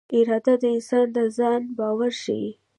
اراده د انسان د ځان باور ښيي.